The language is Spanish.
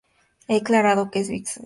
Ha declarado que es bisexual.